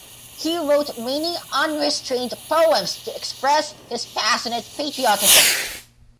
He wrote many unrestrained poems to express his passionate patriotism.